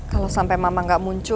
kalau sampai mama gak muncul